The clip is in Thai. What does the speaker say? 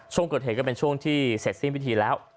ช่วงเกิดเหตุก็เป็นช่วงที่เสร็จสิ้นพิธีแล้ว